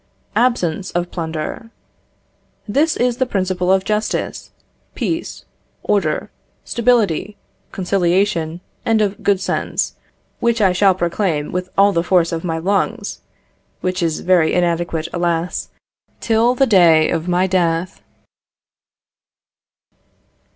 Absence of plunder. This is the principle of justice, peace, order, stability, conciliation, and of good sense, which I shall proclaim with all the force of my lungs (which is very inadequate, alas!) till the day of my death.